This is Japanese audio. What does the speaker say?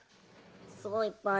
すごいいっぱい。